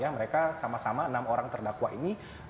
mereka sama sama enam orang terdakwa ini